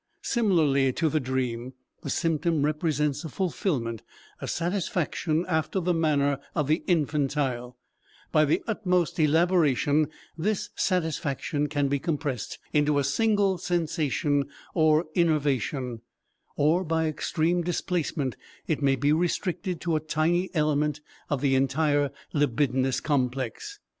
Similarly to the dream, the symptom represents a fulfillment, a satisfaction after the manner of the infantile; by the utmost elaboration this satisfaction can be compressed into a single sensation or innervation, or by extreme displacement it may be restricted to a tiny element of the entire libidinous complex.